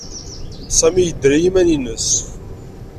Sami yedder i yiman-nnes.